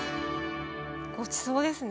ごちそうですね。